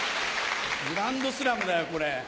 グランドスラムだよこれ。